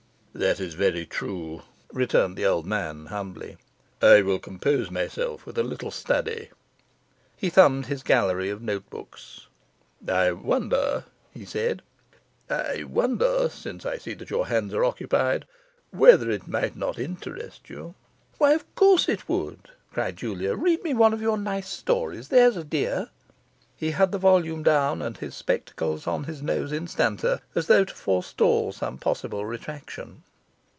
'That is very true,' returned the old man humbly, 'I will compose myself with a little study.' He thumbed his gallery of notebooks. 'I wonder,' he said, 'I wonder (since I see your hands are occupied) whether it might not interest you ' 'Why, of course it would,' cried Julia. 'Read me one of your nice stories, there's a dear.' He had the volume down and his spectacles upon his nose instanter, as though to forestall some possible retractation.